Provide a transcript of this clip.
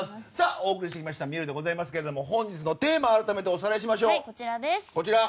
お送りしてきました「みえる」でございますけども本日のテーマを改めておさらいしましょう。